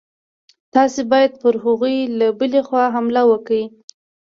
تاسي باید پر هغوی له بلې خوا حمله وکړئ.